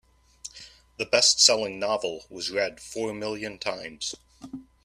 The bestselling novel was read four million times.